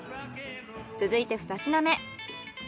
続いて二品目。